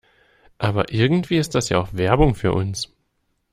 Aber irgendwie ist das ja auch Werbung für uns.